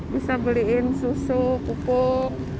bisa beliin susu pupuk